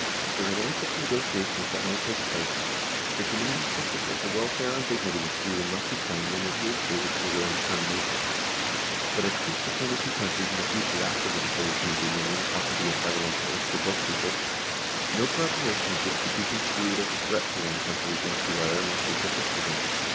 During any such negotiations that may take place the Committee insisted that the welfare and dignity of Sweden must be claimed and adhered to with vigour and determination, but as peace between the two countries in the future after the dissolution of the Union ought to be of vital importance to both peoples, no preparations which could be construed as a threat by one country against the other must be persisted in.